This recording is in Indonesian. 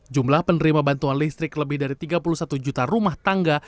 jumlah penerima bantuan listrik lebih dari tiga puluh satu juta rumah tangga